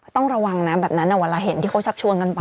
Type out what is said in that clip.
ต้องระวังนะแบบนั้นเวลาเห็นที่เขาชักชวนกันไป